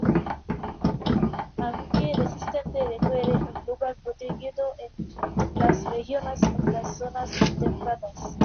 Aunque resistente, requiere un lugar protegido en las regiones de las zonas templadas.